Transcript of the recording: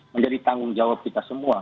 menjadi tanggung jawab kita semua